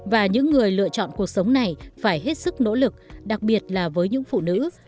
và những người lựa chọn cuộc sống này phải hết sức nỗ lực đặc biệt là với những phụ nữ